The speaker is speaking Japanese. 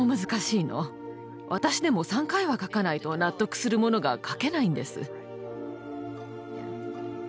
私でも３回は描かないと納得するものが描けないんです。